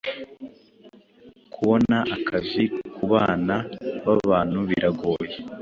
Kubona Agakiza kubana babantu biragoye